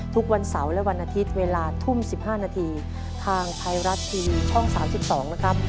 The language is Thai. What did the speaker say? ทุกวันเสาร์และวันอาทิตย์เวลาทุ่ม๑๕นาทีทางไทยรัฐทีวีช่อง๓๒นะครับ